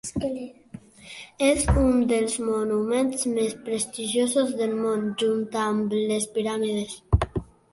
És un dels monuments més prestigiosos del món junt amb les piràmides.